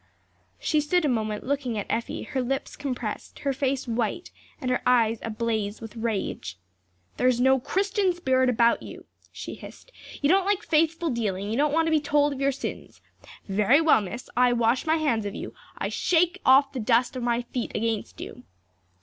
She stood a moment looking at Effie, her lips compressed, her face white and her eyes ablaze with rage. "There's no Christian spirit about you," she hissed, "you don't like faithful dealing; you don't want to be told of your sins. Very well, Miss, I wash my hands of you; I shake off the dust of my feet against you."